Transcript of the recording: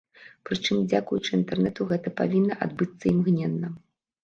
Прычым, дзякуючы інтэрнэту, гэта павінна адбыцца імгненна.